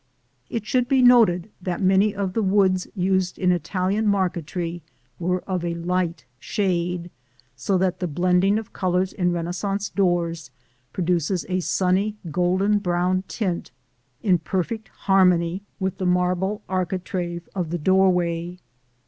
It should be noted that many of the woods used in Italian marquetry were of a light shade, so that the blending of colors in Renaissance doors produces a sunny golden brown tint in perfect harmony with the marble architrave of the doorway.